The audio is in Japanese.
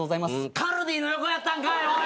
カルディの横やったんかい！